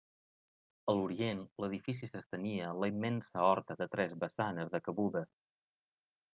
A l'Orient l'edifici s'estenia la immensa horta de tres vessanes de cabuda.